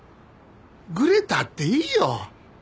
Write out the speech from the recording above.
グレたっていいよ。